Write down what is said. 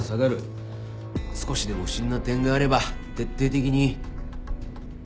少しでも不審な点があれば徹底的に。